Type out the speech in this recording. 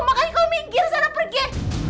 makanya kau minggir sana pergi